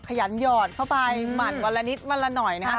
ขยันหยอดเข้าไปหมัดวันละนิดวันละหน่อยนะครับ